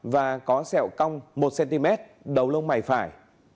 và có sẹo cong một cm đầu lông mày phải